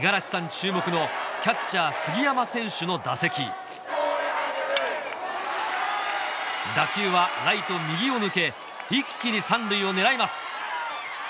注目のキャッチャー杉山選手の打席打球はライト右を抜け一気に３塁を狙います！